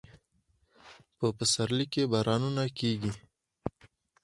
په پسرلي کې بارانونه کیږي